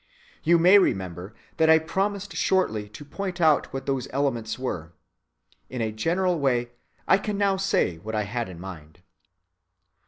You may remember that I promised shortly to point out what those elements were. In a general way I can now say what I had in mind.